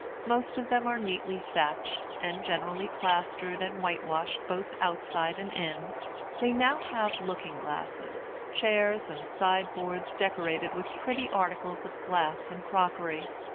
Most of them are neatly thatched, and generally plastered and whitewashed both outside and in. They now have looking glasses, chairs, and side boards decorated with pretty articles of glass and crockery.